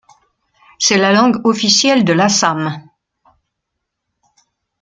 C'est la langue officielle de l'Assam.